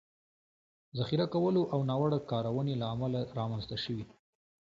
ذخیره کولو او ناوړه کارونې له امله رامنځ ته شوي